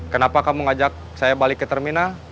kenapa kamu ngajak saya balik ke terminal